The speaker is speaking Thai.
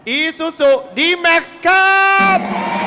อีซูซูดีแม็กซ์ครับ